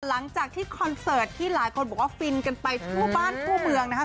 คอนเสิร์ตที่หลายคนบอกว่าฟินกันไปทั่วบ้านทั่วเมืองนะครับ